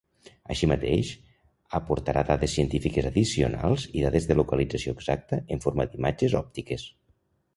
Així mateix, aportarà dades científiques addicionals i dades de localització exacta en forma d'imatges òptiques.